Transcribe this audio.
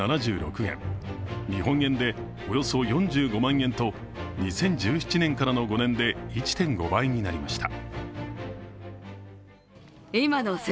日本円でおよそ４５万円と、２０１７年からの５年で１．５倍になりました。